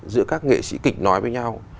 giữa các nghệ sĩ kịch nói với nhau